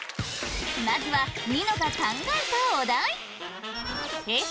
まずはニノが考えたお題Ｈｅｙ！